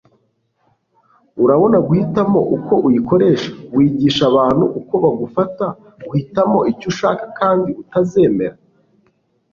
urabona guhitamo uko uyikoresha. wigisha abantu uko bagufata uhitamo icyo ushaka kandi utazemera